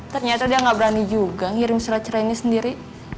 ternyata dia gak berani juga ngirim silat cerainnya sendiri